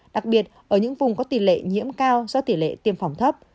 đặc biệt ở những vùng có tỷ lệ nhiễm cao do tỷ lệ tiêm phòng thấp